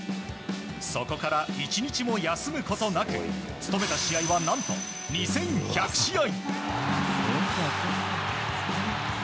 そこから１日も休むことなく務めた試合は何と２１００試合。